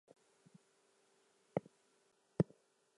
The film was directed by Igor Zaytsev.